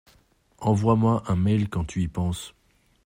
Envoie-moi un mail quand tu y penses.